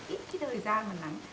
ít cái thời gian mà nắng